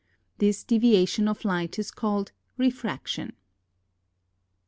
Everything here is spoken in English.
This deviation of light is called refraction.